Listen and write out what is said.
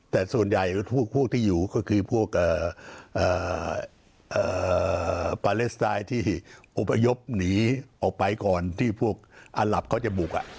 แต่ส่วนใหญ่พวกที่อยู่ก็คือพวกปาเลสไตล์ที่อบพยพหนีออกไปก่อนที่พวกอาหลับเขาจะบุก